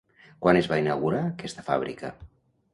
Quan es va inaugurar aquesta fàbrica?